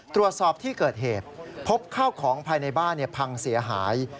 ตรวจสอบที่เกิดเหตุพบข้าวของภายในบ้านพังเสียหาย